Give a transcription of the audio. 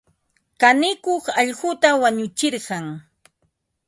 Kanikuq allquta wanutsirqan.